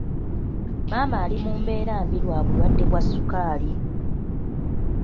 Maama ali mu mbeera mbi lwa bulwadde bwa ssukaali.